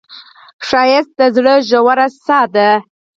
ښایست د زړه ژور ساه ده